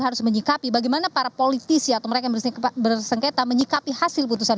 harus menyikapi bagaimana para politisi atau mereka yang bersengketa menyikapi hasil putusan